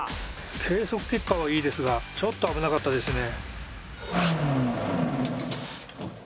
計測結果はいいですがちょっと危なかったですね。